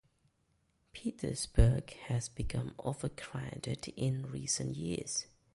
Petersburg has become overcrowded in recent years.